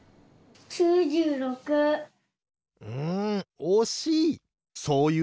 うんおしい！